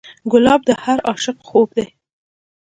ګلاب د هر عاشق خوب دی.